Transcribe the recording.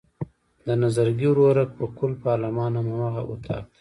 د نظرګي ورورک په قول پارلمان هم هماغه اطاق دی.